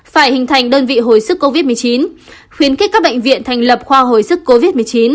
phải hình thành đơn vị hồi sức covid một mươi chín khuyến khích các bệnh viện thành lập khoa hồi sức covid một mươi chín